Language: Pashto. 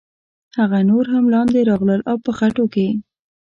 هغه نور هم لاندې راغلل او په خټو کې.